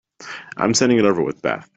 I'm sending it over with Beth.